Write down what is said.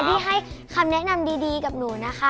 ที่ให้คำแนะนำดีกับหนูนะคะ